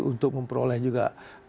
untuk memperoleh juga